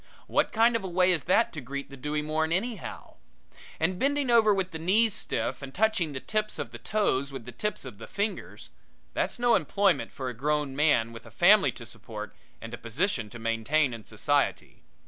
What kind of a way is that to greet the dewy morn anyhow? And bending over with the knees stiff and touching the tips of the toes with the tips of the fingers that's no employment for a grown man with a family to support and a position to maintain in society.